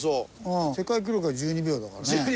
世界記録が１２秒だからね。